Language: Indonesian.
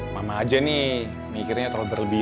mama aja nih mikirnya terlalu berlebih